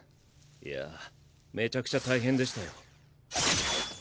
いやめちゃくちゃ大変でしたよ。